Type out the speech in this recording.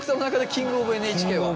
キング・オブ・ＮＨＫ。